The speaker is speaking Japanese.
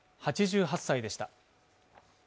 ８８歳でした。